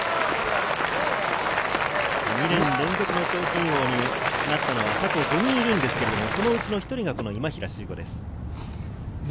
２年連続の賞金王になったのは過去５人いるんですが、そのうちの１人がこの今平周吾です。